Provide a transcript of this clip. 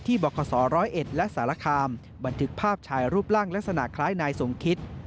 บคศ๑๐๑และสารคามบันทึกภาพชายรูปร่างลักษณะคล้ายนายสมคิต